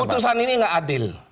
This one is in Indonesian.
kutusan ini nggak adil